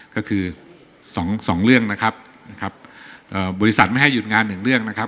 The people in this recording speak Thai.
ก็คือ๒เรื่องนะครับบริษัทไม่ให้หยุดงาน๑เรื่องนะครับ